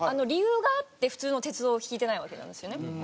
理由があって普通の鉄道を引いてないわけなんですよね。